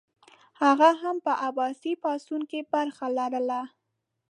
هغه هم په عباسي پاڅون کې برخه لرله.